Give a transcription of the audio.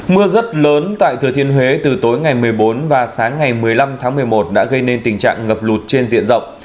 mưa rất lớn tại thừa thiên huế từ tối ngày một mươi bốn và sáng ngày một mươi năm tháng một mươi một đã gây nên tình trạng ngập lụt trên diện rộng